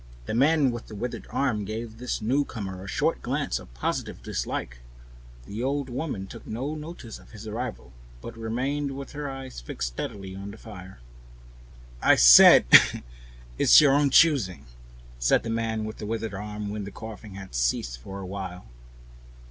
The man with the withered hand gave the newcomer a short glance of positive dislike; the old woman took no notice of his arrival, but remained with her eyes fixed steadily on the fire. "I said it's your own choosing," said the man with the withered hand, when the coughing had ceased for a while.